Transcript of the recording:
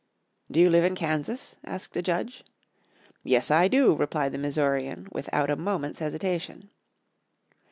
"Do you live in Kansas?" asked a Judge "Yes, I do," replied the Missourian, without a moment's hesitation.